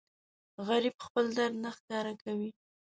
غریب خپل درد نه ښکاره کوي